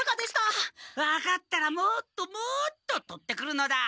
分かったらもっともっととってくるのだ。